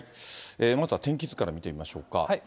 まずは天気図から見ていきましょうか。